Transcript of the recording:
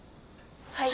はい。